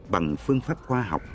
bằng phương pháp khoa học